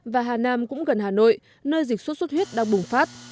và hà nam cũng gần hà nội nơi dịch sốt xuất huyết đang bùng phát